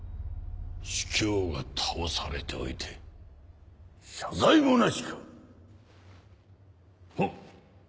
朱凶が倒されておいて謝罪もなしか！は。